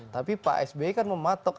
tapi pak sby kan mematok